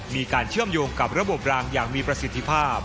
มีการเชื่อมโยงกับระบบรางอย่างมีประสิทธิภาพ